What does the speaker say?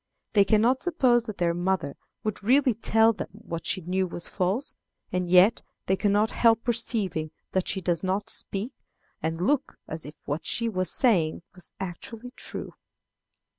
They can not suppose that their mother would really tell them what she knew was false, and yet they can not help perceiving that she does not speak and look as if what she was saying was actually true.